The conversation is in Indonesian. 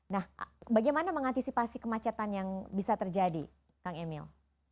nah bagaimana mengantisipasi kemacetan yang bisa terjadi kang emil